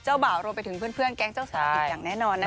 บ่าวรวมไปถึงเพื่อนแก๊งเจ้าสาวอีกอย่างแน่นอนนะ